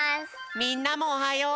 みんなもおはよう！